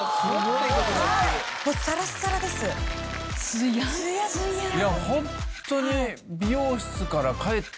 いやホントに。